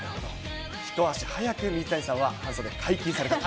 一足早く水谷さんは半袖解禁されたと。